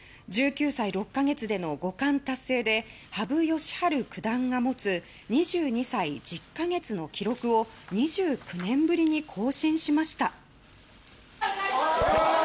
１９歳６か月での５冠達成で羽生善治九段が持つ２２歳１０か月の記録を２９年ぶりに更新しました。